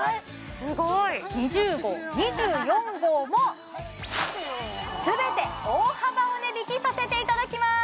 すごい２０号２４号も全て大幅お値引きさせていただきます